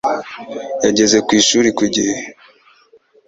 Yageze ku ishuri ku gihe.